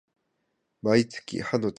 毎月、歯の定期検診を受けています